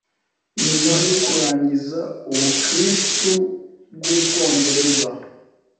nyuma yo kurangiza ubukirisitu bwUbwongereza